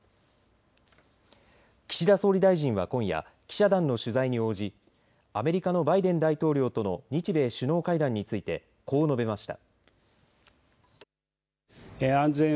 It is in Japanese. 岸田総理大臣は今夜記者団の取材に応じアメリカのバイデン大統領との日米首脳会談についてこう述べました。